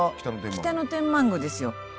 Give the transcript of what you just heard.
北野天満宮ですよ。